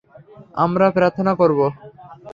আমরা প্রার্থনা করব!